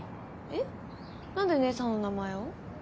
えっなんで姐さんの名前を？